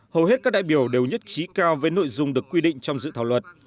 hầu hết các đại biểu đều nhất trí cao với nội dung được quy định trong dự thảo luật